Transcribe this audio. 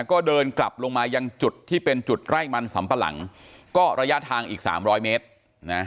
ก็เดินกลับลงมายังจุดที่เป็นจุดไร่มันสำปะหลังก็ระยะทางอีกสามร้อยเมตรนะ